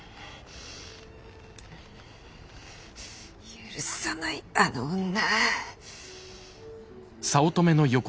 許さないあの女。